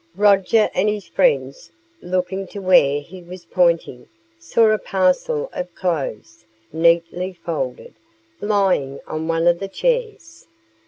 Roger and his friends, looking to where he was pointing, saw a parcel of clothes, neatly folded, lying on one of the chairs.